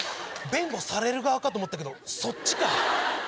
弁護される側かと思ったけどそっちか。